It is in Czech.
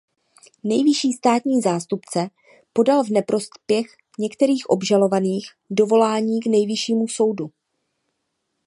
Nejvyšší státní zástupce podal v neprospěch některých obžalovaných dovolání k Nejvyššímu soudu.